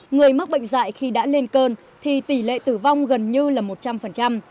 người mắc bệnh dạy khi đã lên cơn thì tỷ lệ tử vong gần như là một trăm linh